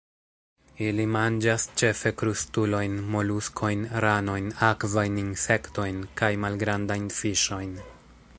Ili manĝas ĉefe krustulojn, moluskojn, ranojn, akvajn insektojn kaj malgrandajn fiŝojn.